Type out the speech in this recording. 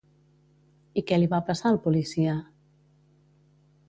I què li va passar al policia?